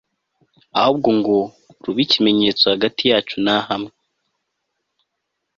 ahubwo ngo rube ikimenyetso hagati yacu namwe